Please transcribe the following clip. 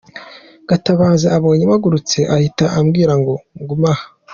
Gatabazi abonye mpagurutse ahita ambwira ngo ngume aho.